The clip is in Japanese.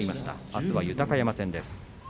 あすは豊山戦です。